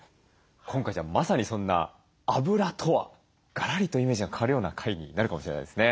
今回じゃあまさにそんなあぶらとはがらりとイメージが変わるような回になるかもしれないですね。